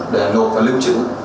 để nộp và lưu trữ